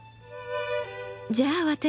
じゃあ私